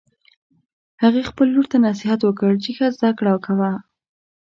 هغې خپل لور ته نصیحت وکړ چې ښه زده کړه کوه